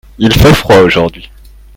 il fait froid aujourd'hui.